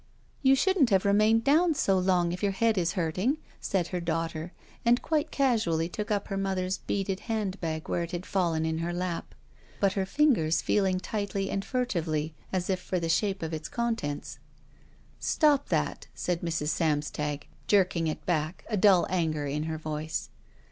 "You shouldn't have remained down so long if your head is hurting/' said her daughter, and quite casually took up her mother's beaded hand bag where it had fallen in her lap, but her fingers feeling lightly and furtively as if for the shape of its con tents. ''Stop that," said Mrs. Samstag, jerking it back, a dull anger in her voice.